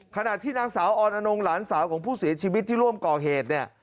ขณะที่นางสาวออนอนงหลานสาวของผู้เสียชีวิตที่ร่วมก่อเหตุเนี่ย